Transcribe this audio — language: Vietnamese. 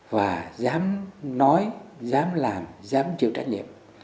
và dám nói dám làm dám chịu trách nhiệm